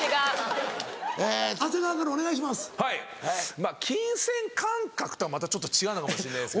まぁ金銭感覚とはまたちょっと違うのかもしんないですけど。